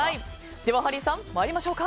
ではハリーさん、参りましょうか。